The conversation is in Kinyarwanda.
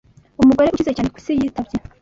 umugore ukize cyane ku isi yitabye